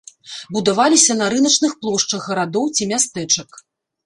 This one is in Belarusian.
Будаваліся на рыначных плошчах гарадоў ці мястэчак.